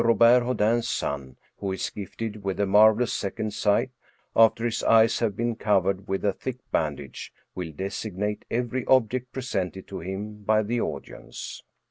Robert Houdin's son, who is gifted with a marvelous second sight, after his eyes have been covered with a thick bandage, will designate every ob ject presented to him by the audience."